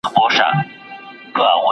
آیا یوازې دیني علوم تدریس کیدل؟